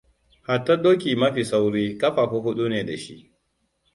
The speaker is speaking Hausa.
Hatta doki mafi sauri kafafu huɗu ne da shi.